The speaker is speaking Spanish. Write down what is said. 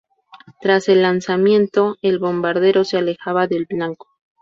Tras el lanzamiento, el bombardero se alejaba del blanco.